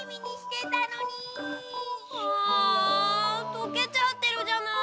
とけちゃってるじゃない。